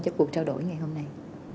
cho cuộc trao đổi ngày hôm nay